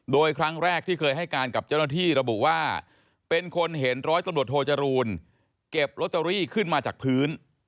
โดยครั้งแรกที่เคยให้การกับเจ้าหน้าที่ระบุว่าเป็นคนเห็นร้อยตำรวจโทจรูลเก็บลอตเตอรี่ขึ้นมาจากพื้น